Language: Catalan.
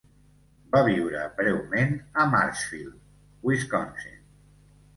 Va viure breument a Marshfield (Wisconsin).